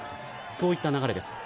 そういった流れです。